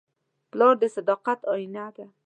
پلار د صداقت آیینه ده.